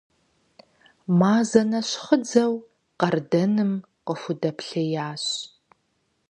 Мазэ нэщхъыдзэу къардэным къыхудэплъеящ.